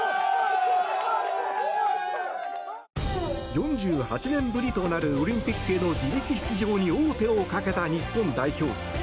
４８年ぶりとなるオリンピックへの自力出場に王手をかけた日本代表。